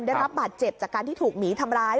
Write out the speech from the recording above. ได้รับบาดเจ็บจากการที่ถูกหมีทำร้าย